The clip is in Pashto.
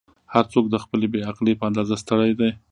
"هر څوک د خپلې بې عقلۍ په اندازه ستړی دی.